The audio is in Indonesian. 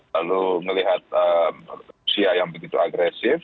lalu melihat usia yang begitu agresif